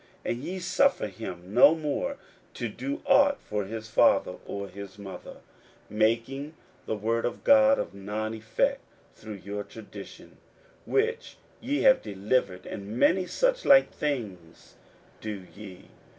41:007:012 And ye suffer him no more to do ought for his father or his mother; 41:007:013 Making the word of God of none effect through your tradition, which ye have delivered: and many such like things do ye.